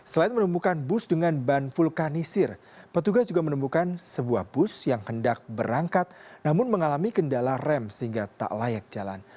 selain menemukan bus dengan ban vulkanisir petugas juga menemukan sebuah bus yang hendak berangkat namun mengalami kendala rem sehingga tak layak jalan